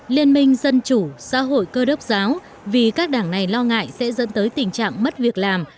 liên minh dân chủ xã hội cơ đốc giáo vì các đảng này lo ngại sẽ dẫn tới tình trạng mất việc làm